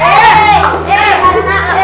ya udah mas sakit